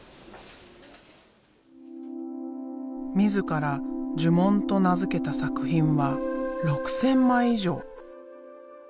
自ら「呪文」と名付けた作品は６，０００枚以上。